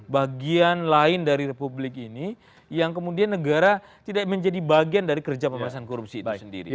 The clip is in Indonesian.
bagian lain dari republik ini yang kemudian negara tidak menjadi bagian dari kerja pemerintahan korupsi itu sendiri